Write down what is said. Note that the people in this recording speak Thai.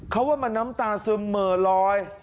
เขาว่ามันน้ำตาซึมเหม่อลอย